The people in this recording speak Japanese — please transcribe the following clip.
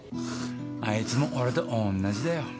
あいつも俺と同じだよ。